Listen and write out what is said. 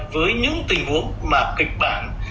với những tình huống mà kịch bản